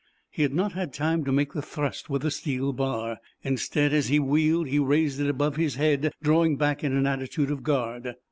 He had not had time to make the thrust with the steel bar. Instead, as he wheeled, he raised it above his head, drawing back in an attitude of guard.